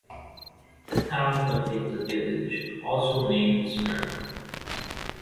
The town contains a village also named Smyrna.